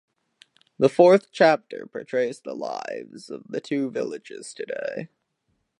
The fourth chapter portrays the lives of the two villages today.